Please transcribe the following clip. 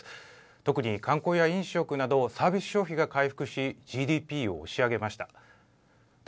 特に観光や飲食などサービス消費が回復しＧＤＰを押し上げました。